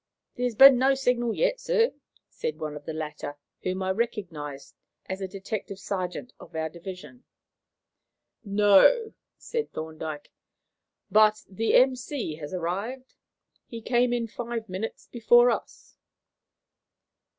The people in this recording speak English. "There has been no signal yet, sir," said one of the latter, whom I recognized as a detective sergeant of our division. "No," said Thorndyke, "but the M.C. has arrived. He came in five minutes before us."